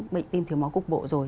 bệnh tiêm thiếu máu cục bộ rồi